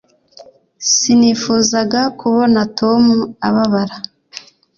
Sinifuzaga kubona Tom ababara